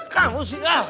kamu sih hah